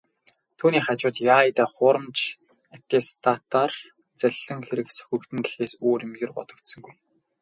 Түүний хажууд "яая даа, хуурамч аттестатаар залилсан хэрэг сөхөгдөнө" гэхээс өөр юм ер бодогдсонгүй.